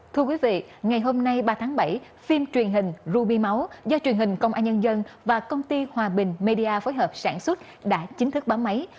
thưa quý vị ngày hôm nay ba tháng bảy phim truyền hình ruby máu do truyền hình công an nhân dân và công ty hòa bình media phối hợp sản xuất đã chính thức báo máy